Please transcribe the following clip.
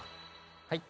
はい。